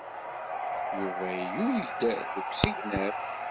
Yuba ilul-d deg usegnaf.